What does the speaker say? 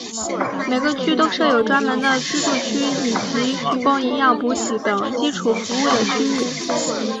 每个区都设有专门的居住区以及提供营养补给等基础服务的区域。